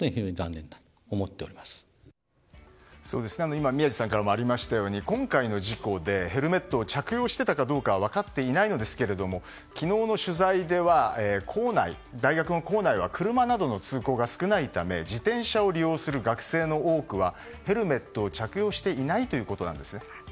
今、宮司さんからもありましたように今回の事故でヘルメットを着用していたかどうかは分かっていませんが昨日の取材では大学の構内は車などの通行が少ないため自転車を利用する学生の多くはヘルメットを着用していないということです。